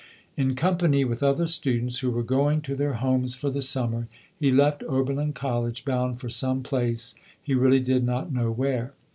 In company with other students who were go ing to their homes for the summer, he left Oberlin College bound for some place, he really did not know where.